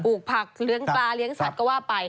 ปลูกผักเลื้องปลาเลื้องสัตว์ก็ว่าไป